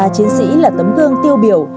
ba chiến sĩ là tấm gương tiêu biểu